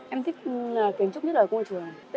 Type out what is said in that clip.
em thích kiến trúc nhất ở ngôi chùa này